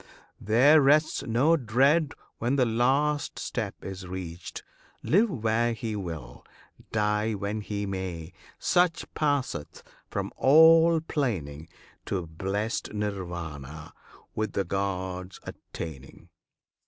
There rests no dread When that last step is reached! Live where he will, Die when he may, such passeth from all 'plaining, To blest Nirvana, with the Gods, attaining.